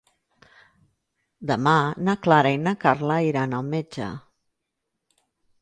Demà na Clara i na Carla iran al metge.